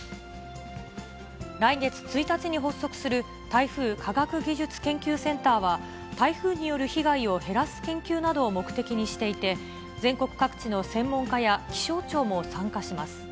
来月１日に発足する、台風科学技術研究センターは、台風による被害を減らす研究などを目的にしていて、全国各地の専門家や気象庁も参加します。